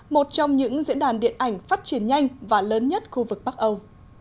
một trong những diễn đàn điện ảnh phát triển nhanh và lớn nhất khu vực bắc âu